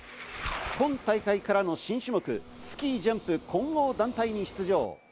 今大会からの新種目、スキージャンプ混合団体に出場。